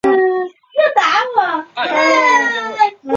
因功给予节度使世选名额。